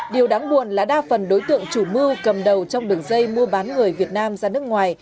điều đáng buồn là đa phần đối tượng chủ mưu cầm đầu trong đường dây mua bán người việt nam ra nước ngoài